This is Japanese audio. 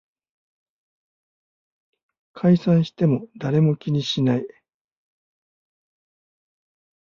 解散しても誰も気にしない